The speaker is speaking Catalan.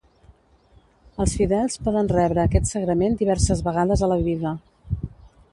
Els fidels poden rebre aquest sagrament diverses vegades a la vida.